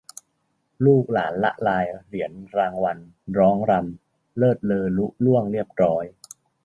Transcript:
ลูกหลานละลายเหรียญรางวัลร้องรำเลอเลิศลุล่วงเรียบร้อย